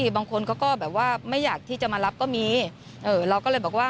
บางคนเขาก็แบบว่าไม่อยากที่จะมารับก็มีเราก็เลยบอกว่า